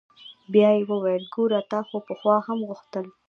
بيا يې وويل ګوره تا خو پخوا هم غوښتل.